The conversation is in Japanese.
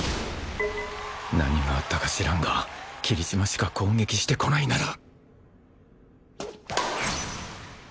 何があったか知らんが霧島しか攻撃してこないなら！